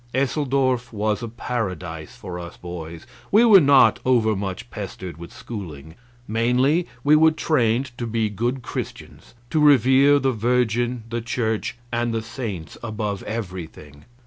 Eseldorf was a paradise for us boys. We were not overmuch pestered with schooling. Mainly we were trained to be good Christians; to revere the Virgin, the Church, and the saints above everything.